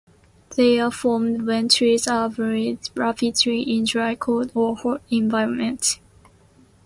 They are formed when trees are buried rapidly in dry cold or hot environments.